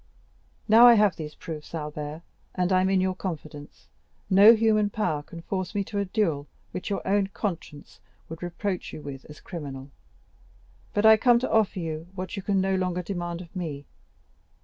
Now I have these proofs, Albert, and I am in your confidence, no human power can force me to a duel which your own conscience would reproach you with as criminal, but I come to offer you what you can no longer demand of me.